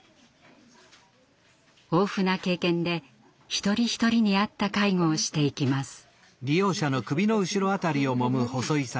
豊富な経験で一人一人に合った介護をしていきます。